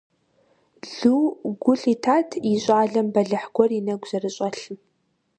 Лу гу лъитат и щӀалэм бэлыхь гуэр и нэгу зэрыщӀэлъым.